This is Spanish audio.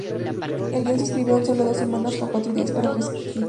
El guion se escribió en sólo dos semanas, con cuatro días para reescrituras.